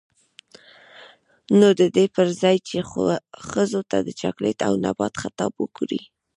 نـو د دې پـر ځـاى چـې ښـځـو تـه د چـاکـليـت او نـبـات خـطاب وکـړي.